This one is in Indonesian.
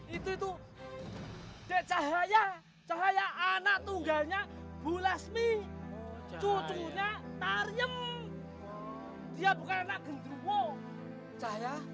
itu tuh cahaya cahaya anak tunggalnya bu lasmi cucunya taryem dia bukan anak gendro wo cahaya